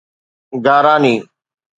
گاراني